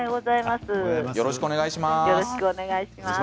よろしくお願いします。